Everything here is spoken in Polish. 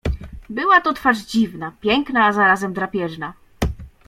"Była to twarz dziwna: piękna i zarazem drapieżna."